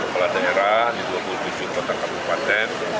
kepala daerah di dua puluh tujuh kota kabupaten